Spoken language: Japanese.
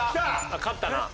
勝ったな。